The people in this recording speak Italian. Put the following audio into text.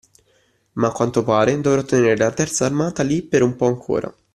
Ma a quanto pare dovrò tenere la terza armata lì per un po’ ancora.